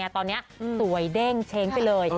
ตอนนี้สวยเด้งเช้งไปเลย